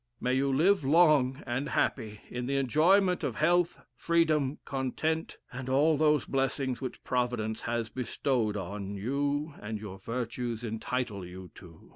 May you live long and happy, in the enjoyment of health, freedom, content, and all those blessings which Providence has bestowed on, you, and your virtues entitle you to.